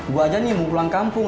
gue aja nih mau pulang kampung